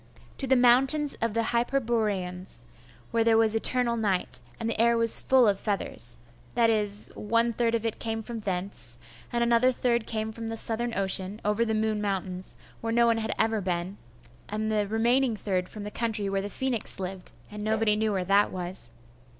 To the mountains of the Hyperboreans, where there was eternal night, and the air was full of feathers.... That is, one third of it came from thence, and another third came from the Southern ocean, over the Moon mountains, where no one had ever been, and the remaining third from the country where the phoenix lived, and nobody knew where that was.